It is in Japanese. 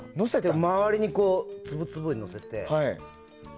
周りに粒々をのせて。